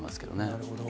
なるほど。